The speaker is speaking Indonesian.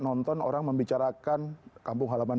nonton orang membicarakan kampung halaman